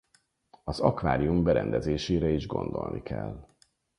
Az akvárium berendezésére is gondolni kell.